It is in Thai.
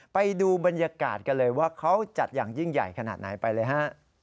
ไปดูบรรยากาศกันเลยว่าเขาจัดอย่างยิ่งใหญ่ขนาดไหนไปเลยฮะ